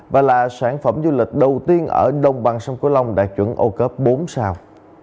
và là sản phẩm du lịch đầu tiên ở đồng bằng sông cửu long đạt chuẩn ô cớp bốn sao